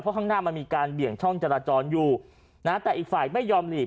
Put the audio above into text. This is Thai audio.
เพราะข้างหน้ามันมีการเบี่ยงช่องจราจรอยู่นะแต่อีกฝ่ายไม่ยอมหลีก